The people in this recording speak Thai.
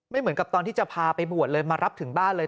เหมือนกับตอนที่จะพาไปบวชเลยมารับถึงบ้านเลย